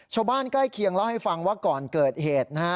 ชาวบ้านใกล้เคียงเล่าให้ฟังว่าก่อนเกิดเหตุนะฮะ